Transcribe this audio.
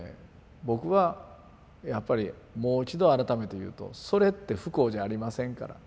僕はやっぱりもう一度改めて言うとそれって不幸じゃありませんから。